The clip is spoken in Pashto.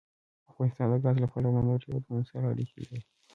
افغانستان د ګاز له پلوه له نورو هېوادونو سره اړیکې لري.